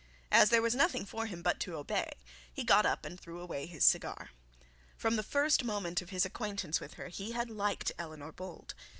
As there was nothing for him but to obey, he got up and threw away his cigar. From the first moment of his acquaintance with her he had liked Eleanor Bold.